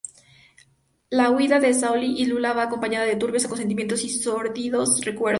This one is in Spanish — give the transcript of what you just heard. La huida de Sailor y Lula va acompañada de turbios acontecimientos y sórdidos recuerdos.